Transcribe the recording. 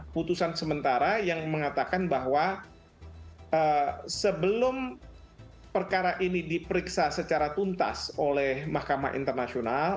putusan sementara yang mengatakan bahwa sebelum perkara ini diperiksa secara tuntas oleh mahkamah internasional